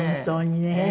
本当にね。